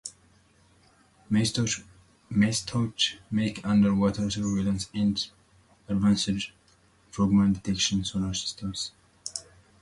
Mesotech make underwater surveillance and advanced frogman detection sonar systems.